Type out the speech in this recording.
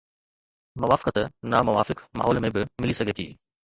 موافقت ناموافق ماحول ۾ به ملي سگهي ٿي.